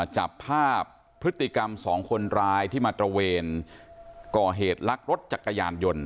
จับภาพพฤติกรรมสองคนร้ายที่มาตระเวนก่อเหตุลักรถจักรยานยนต์